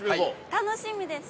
◆楽しみです。